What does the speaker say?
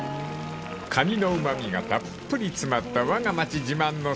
［カニのうまみがたっぷり詰まったわが町自慢のせえげ］